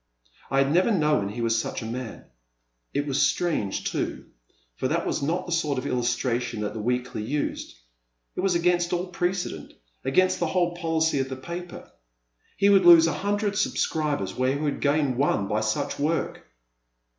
I had never known he was such a man. It was strange too — for that was not the sort of illustration that the Weekly used ; it was against all precedent — against the whole policy of the paper. He would lose a hun dred subscribers where he would gain one by such work.